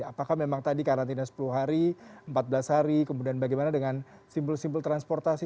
apakah memang tadi karantina sepuluh hari empat belas hari kemudian bagaimana dengan simbol simbol transportasi